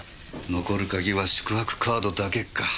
残る鍵は宿泊カードだけか。